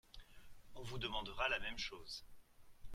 On vous demandera la même chose.